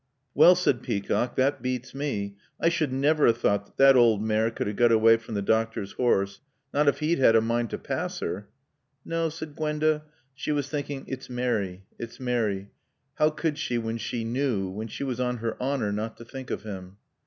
"Well," said Peacock, "thot beats mae. I sud navver a thought thot t' owd maare could a got away from t' doctor's horse. Nat ef e'd a mind t' paass 'er." "No," said Gwenda. She was thinking, "It's Mary. It's Mary. How could she, when she knew, when she was on her honor not to think of him?"